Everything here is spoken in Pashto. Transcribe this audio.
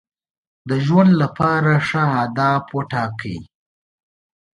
د ژوند لپاره ښه اهداف وټاکئ.